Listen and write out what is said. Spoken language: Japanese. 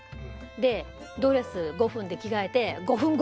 でドレス５分で着替えて５分５分あげて。